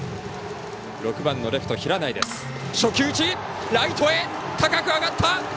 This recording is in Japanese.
６番のレフト、平内。